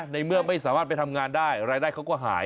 ในเมื่อไม่สามารถไปทำงานได้รายได้เขาก็หาย